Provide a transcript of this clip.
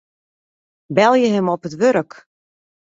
Belje him op it wurk.